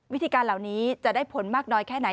วิธีการเหล่านี้จะได้ผลมากน้อยแค่ไหน